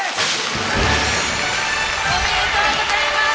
おめでとうございます！